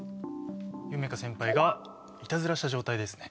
夢叶先輩がいたずらした状態ですね。